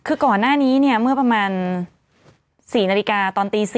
คือก่อนหน้านี้เนี่ยเมื่อประมาณ๔นาฬิกาตอนตี๔